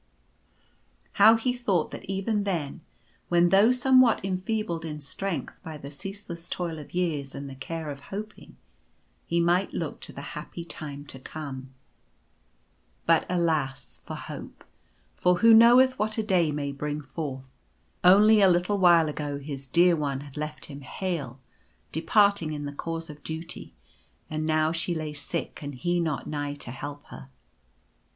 How he thought that even then, when though some what enfeebled in strength by the ceaseless toil of years and the care of hoping, he might look to the happy time to come. 1 3 6 Sad Tidings. But, alas! for hope; for who knoweth what a day may bring forth ? Only a little while ago his Dear One had left him hale, departing in the cause of duty ; and now she lay sick and he not nigh to help her.